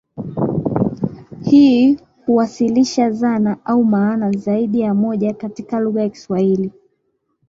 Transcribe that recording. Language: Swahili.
Hii huwasilisha dhana au maana zaidi ya moja katika lugha ya Kiswahili.